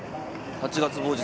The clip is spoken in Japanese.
「８月某日」